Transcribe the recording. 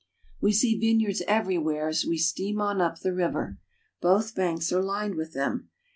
We see vineyards everywhere as we steam on up the river. Both banks are lined with them.